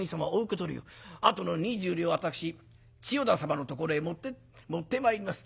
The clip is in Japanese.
あとの二十両は私千代田様のところへ持ってまいります。